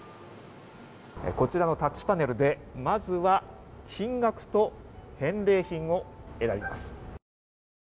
こちらのタッチパネルでまずは金額と返礼品を選びます。